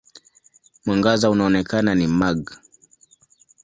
Mwangaza unaoonekana ni mag.